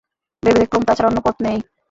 ভেবে দেখলুম তা ছাড়া অন্য পথ নেই।